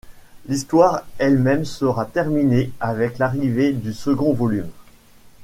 L'histoire elle-même sera terminée avec l'arrivée du second volume.